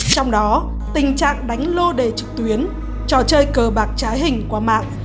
trong đó tình trạng đánh lô đề trực tuyến trò chơi cờ bạc trái hình qua mạng